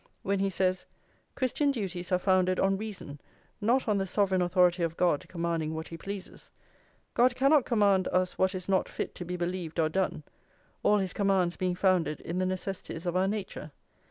when he says: "Christian duties are founded on reason, not on the sovereign authority of God commanding what he pleases; God cannot command us what is not fit to be believed or done, all his commands being founded in the necessities of our nature."